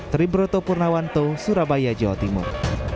triburoto purnawanto surabaya jawa timur